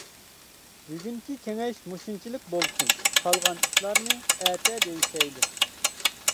بۈگۈنكى كېڭەش مۇشۇنچىلىك بولسۇن، قالغان ئىشلارنى ئەتە دېيىشەيلى.